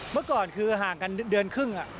เมื่อก่อนคือห่างกันเดือนครึ่ง